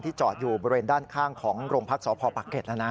ที่จอดอยู่บริเวณด้านข้างของโรงพักษณ์สภปักเกษแล้วนะ